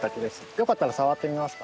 よかったら触ってみますか？